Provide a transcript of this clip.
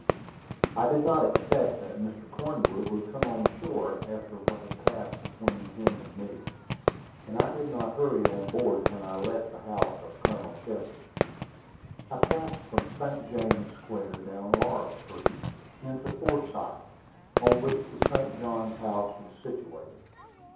I did not expect that Mr. Cornwood would come on shore after what had passed between him and me, and I did not hurry on board when I left the house of Colonel Shepard. I passed from St. James Square down Laura Street, into Forsyth, on which the St. Johns House was situated.